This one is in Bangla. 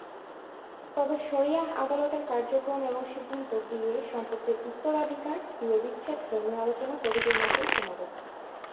তবে শরিয়াহ আদালতের কার্যক্রম এবং সিদ্ধান্ত বিয়ে, সম্পত্তির উত্তরাধিকার, বিয়ে বিচ্ছেদ, ধর্মীয় আলোচনা প্রভৃতির মাঝেই সীমাবদ্ধ।